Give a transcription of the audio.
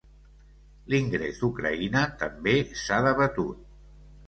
L'ingrés d'Ucraïna també s'ha debatut.